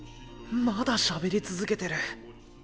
まだしゃべり続けてる。